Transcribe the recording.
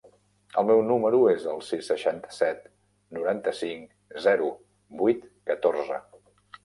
El meu número es el sis, seixanta-set, noranta-cinc, zero, vuit, catorze.